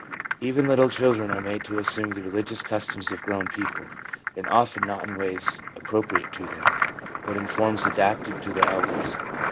Even little children are made to assume the religious customs of grown people, and often not in ways appropriate to them, but in forms adapted to their elders.